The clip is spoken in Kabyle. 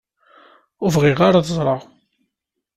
Ur bɣiɣ ara ad ẓreɣ.